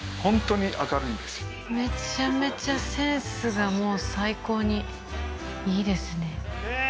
めちゃめちゃセンスがもう最高にいいですねええー